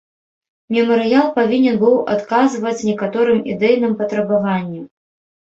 Мемарыял павінен быў адказваць некаторым ідэйным патрабаванням.